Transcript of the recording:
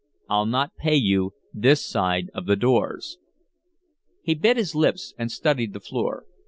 I'll not pay you this side of the doors." He bit his lips and studied the floor.